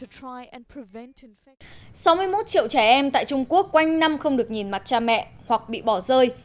sáu mươi một triệu trẻ em tại trung quốc quanh năm không được nhìn mặt cha mẹ hoặc bị bỏ rơi